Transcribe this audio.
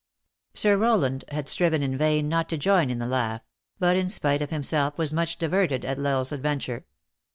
Sir Rowland had striven in vain not to join in the laugh; but, in spite of himself, was much diverted at L Isle s adventure.